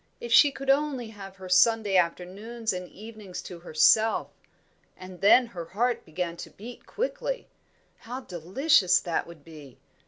If she could only have her Sunday afternoons and evenings to herself! And then her heart began to beat quickly. How delicious that would be!